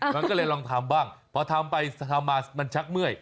มันก็เลยลองทำบ้างพอทำไปทำมามันชักเมื่อย